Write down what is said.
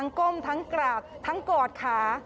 ก้มทั้งกราบทั้งกอดขา